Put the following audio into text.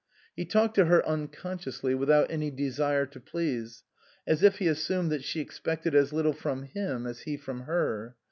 He talked to her unconsciously, without any desire to please, as if he assumed that she expected as little from him as he from her.